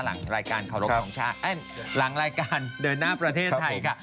หลังรายการเคารพทรงชาติหลังรายการเดินหน้าประเทศไทยค่ะ